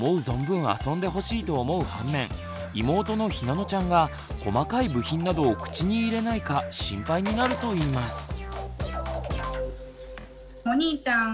存分遊んでほしいと思う反面妹のひなのちゃんが細かい部品などを口に入れないか心配になるといいます。